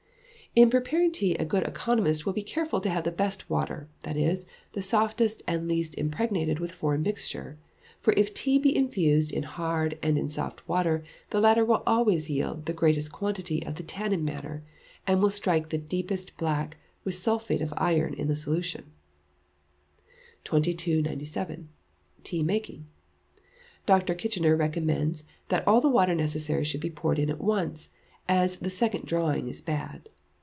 In preparing tea a good economist will be careful to have the best water, that is, the softest and least impregnated with foreign mixture; for if tea be infused in hard and in soft water, the latter will always yield the greatest quantity of the tannin matter, and will strike the deepest black with sulphate of iron in solution. 2297. Tea making. Dr. Kitchiner recommends that all the water necessary should be poured in at once, as the second drawing is bad.